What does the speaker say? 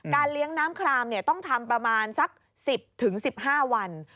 เลี้ยงน้ำครามต้องทำประมาณสัก๑๐๑๕วัน